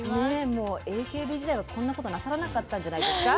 もうＡＫＢ時代はこんなことなさらなかったんじゃないですか？